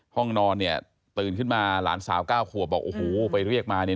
ห้องนอนเนี่ยตื่นขึ้นมาหลานสาวเก้าขวบบอกโอ้โหไปเรียกมาเนี่ย